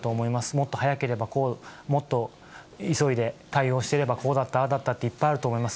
もっと早ければ、もっと急いで対応してれば、こうだった、ああだったっていっぱいあると思います。